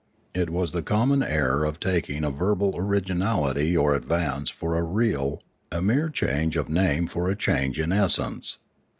It was the common error of taking a verbal originality or ad vance for a real, a mere change of name for a change in essence.